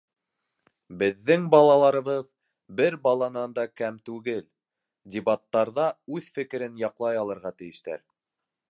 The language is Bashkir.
Беҙҙең балаларыбыҙ бер баланан да кәм түгел - дебаттарҙа үҙ фекерен яҡлай алырға тейештәр.